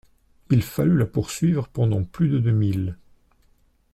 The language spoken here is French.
Il fallut la poursuivre pendant plus de deux milles.